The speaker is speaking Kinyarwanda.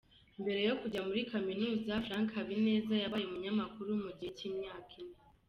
Mbere yo kujya muri Kaminuza, Frank Habineza yabaye umunyamakuru mu gihe cy’imyaka ine.